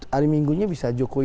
hari minggunya bisa jokowi dua puluh